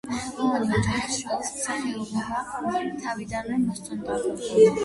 ხელოვანი ოჯახის შვილს მსახიობობა თავიდანვე მოსწონდა.